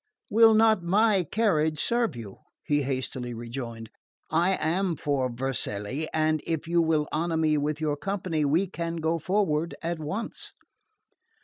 "Will not my carriage serve you?" he hastily rejoined. "I am for Vercelli, and if you will honour me with your company we can go forward at once."